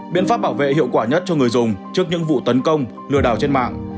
biện pháp bảo vệ hiệu quả nhất cho người dùng trước những vụ tấn công lừa đảo trên mạng